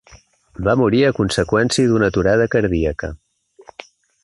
Va morir a conseqüència d'una aturada cardíaca.